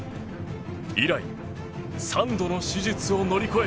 以来３度の手術を乗り越え